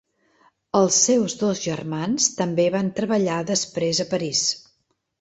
Els seus dos germans també van treballar després a París.